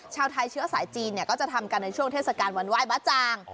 ชาวไทยเชือกศาลจีนก็จะทำกันในช่วงทศการวรรณวายบ๊าจ่าง